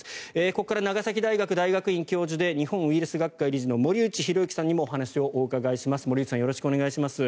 ここからは長崎大学大学院教授で日本ウイルス学会理事の森内浩幸さんにもお話を伺います。